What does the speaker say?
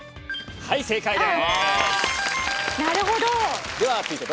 はい正解です！